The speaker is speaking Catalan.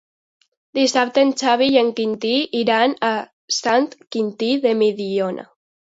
Dissabte en Xavi i en Quintí iran a Sant Quintí de Mediona.